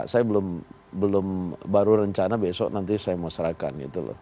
saya belum baru rencana besok nanti saya mau serahkan gitu loh